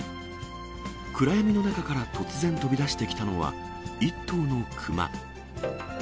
暗闇の中から突然飛び出してきたのは、１頭のクマ。